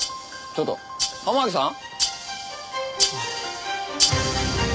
ちょっと天樹さん？